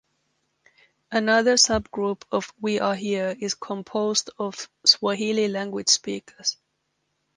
Another subgroup of We Are Here is composed of Swahili language speakers.